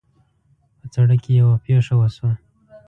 په سړک کې یوه پېښه وشوه